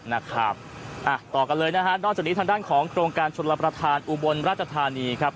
นะครับอ่ะต่อกันเลยนะฮะนอกจากนี้ทางด้านของโครงการชนรับประทานอุบลราชธานีครับ